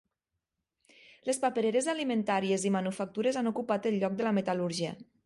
Les papereres alimentàries i manufactures han ocupat el lloc de la metal·lúrgia.